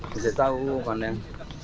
bisa tahu mana yang